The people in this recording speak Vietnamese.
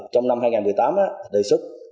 trong năm hai nghìn một mươi tám đề xuất